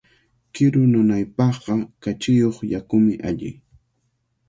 Kiru nanaypaqqa kachiyuq yakumi alli.